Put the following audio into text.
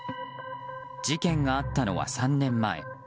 事件があったのは３年前。